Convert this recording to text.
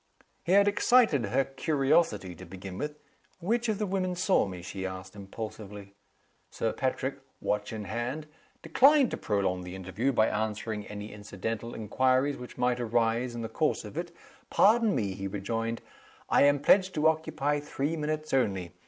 He had excited her curiosity, to begin with. "Which of the women saw me?" she asked, impulsively. Sir Patrick (watch in hand) declined to prolong the interview by answering any incidental inquiries which might arise in the course of it. "Pardon me," he rejoined; "I am pledged to occupy three minutes only.